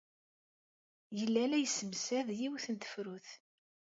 Yella la yessemsad yiwet n tefrut.